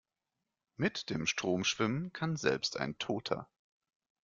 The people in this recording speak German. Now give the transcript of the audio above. Mit dem Strom schwimmen kann selbst ein Toter.